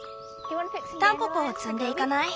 タンポポを摘んでいかない？